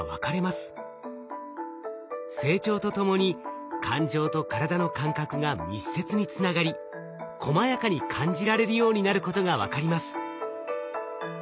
成長とともに感情と体の感覚が密接につながりこまやかに感じられるようになることが分かります。